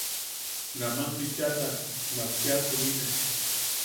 Naman bichasan mak cheʼa tuʼi-ne.